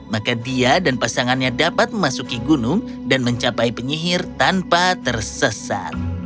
maka dia dan pasangannya dapat memasuki gunung dan mencapai penyihir tanpa tersesat